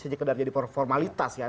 bukan hanya formalitas ya